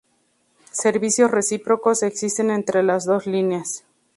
Servicios recíprocos existen entre las dos líneas.